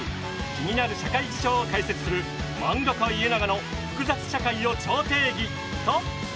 気になる社会事象を解説する「漫画家イエナガの複雑社会を超定義」と。